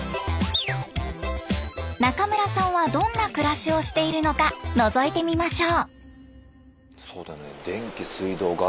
中村さんはどんな暮らしをしているのかのぞいてみましょう。